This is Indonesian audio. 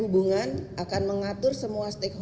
s colombur yang tidak mendatari pihak masyarakat